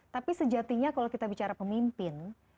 tapi sejatinya kalau kita bicara pemimpin